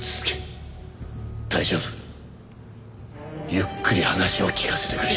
ゆっくり話を聞かせてくれ。